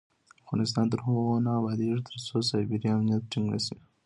افغانستان تر هغو نه ابادیږي، ترڅو سایبري امنیت ټینګ نشي.